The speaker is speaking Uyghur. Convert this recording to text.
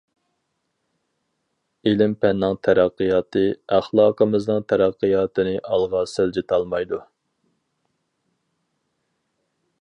ئىلىم-پەننىڭ تەرەققىياتى ئەخلاقىمىزنىڭ تەرەققىياتىنى ئالغا سىلجىتالمايدۇ.